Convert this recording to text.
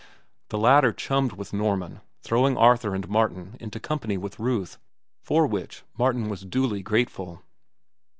The latter chummed with Norman, throwing Arthur and Martin into company with Ruth, for which Martin was duly grateful.